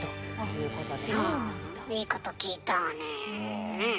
いいこと聞いたわねえ。